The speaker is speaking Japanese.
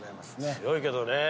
強いけどねえ。